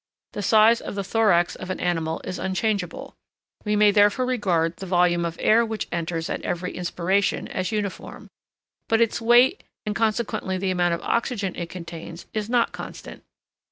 The size of the thorax of an animal is unchangeable; we may therefore regard the volume of air which enters at every inspiration as uniform. But its weight, and consequently the amount of oxygen it contains, is not constant.